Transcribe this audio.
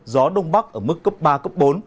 gió đông bắc ở mức cấp ba bốn